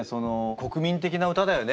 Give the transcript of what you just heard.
国民的な歌だよね？